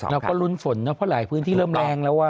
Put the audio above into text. เราก็ลุ้นฝนเนอะเพราะหลายพื้นที่เริ่มแรงแล้ว